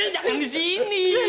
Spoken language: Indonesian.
jangan di sini